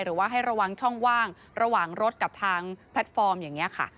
หรือว่าให้ระวังช่องว่างระหว่างรถกับทางแพลตฟอร์มอย่างนี้ค่ะ